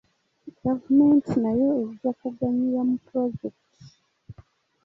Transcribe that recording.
Gavumenti nayo ejja kuganyulwa mu pulojekiti.